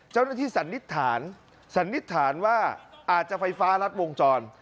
เจ้าหน้าที่สันนิจฐานสันนิจฐานว่าอาจจะไฟฟ้านัดวงจร